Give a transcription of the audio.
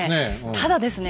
ただですね